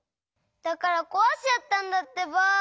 だからこわしちゃったんだってば。